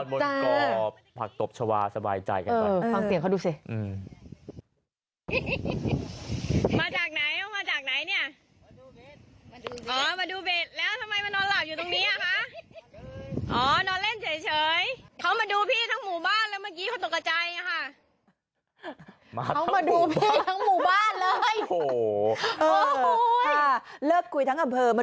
ก็ปักตบชาวาสบายใจกันไป